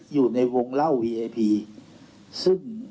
อยู่ในวงเล่าวีไอพี